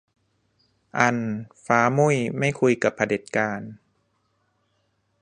อัน ฟ้ามุ่ยไม่คุยกับเผด็จการ